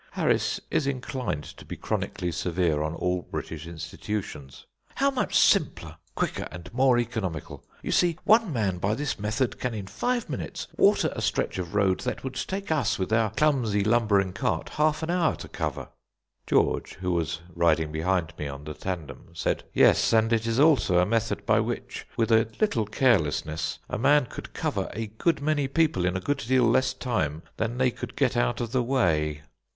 Harris is inclined to be chronically severe on all British institutions. "How much simpler, quicker, and more economical! You see, one man by this method can in five minutes water a stretch of road that would take us with our clumsy lumbering cart half an hour to cover." George, who was riding behind me on the tandem, said, "Yes, and it is also a method by which with a little carelessness a man could cover a good many people in a good deal less time than they could get out of the way."